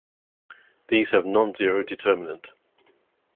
These have nonzero determinant.